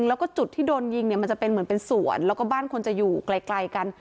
แล้วก็จุดที่โดนยิงเนี่ยมันจะเป็นเหมือนเป็นสวนแล้วก็บ้านคนจะอยู่ไกลกัน